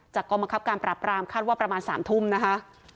จากกรมกรรมการปราบปรามคาดว่าประมาณสามทุ่มนะคะ